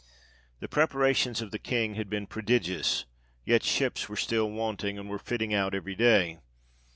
The preparations of the King had been prodigious ; yet ships were still wanting, and were fitting out every day.